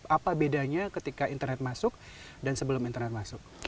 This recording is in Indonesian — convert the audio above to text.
apa bedanya ketika internet masuk dan sebelum internet masuk